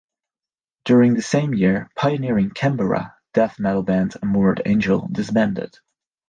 During the same year, pioneering Canberra death metal band Armoured Angel disbanded.